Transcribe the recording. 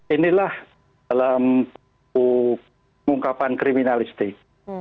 inilah dalam pengungkapan kriminalistik